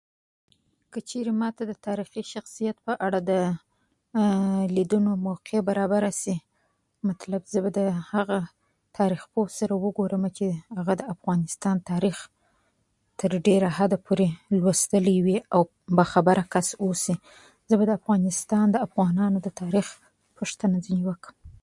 که چیری ماته د تاریخي شخصیت په اړه د لیدنو موقع برابره سي مطلب زه به د هغه تاریخ پوه سره وګورمه چې هغه د افغانستان تاریخ تر ډیره حده پورې لوستلۍ وي او باخبره کس واوسي زه به د افغانستان د افغانانو تاریخ پوښتنه ځینې وکړم